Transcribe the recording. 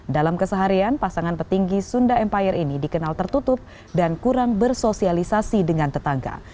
dalam keseharian pasangan petinggi sunda empire ini dikenal tertutup dan kurang bersosialisasi dengan tetangga